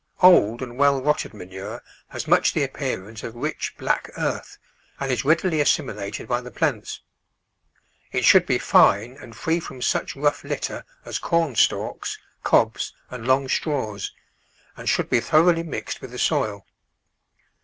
Old and well rotted manure has much the appearance of rich, black earth, and is readily assimi lated by the plants. It should be fine and free from such rough litter as corn stalks, cobs, and long straws, and should be thoroughly mixed with the soil.